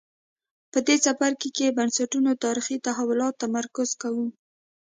په دې څپرکي کې بنسټونو تاریخي تحولاتو تمرکز کوو.